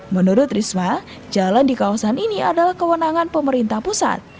menurut risma jalan di kawasan ini adalah kewenangan pemerintah pusat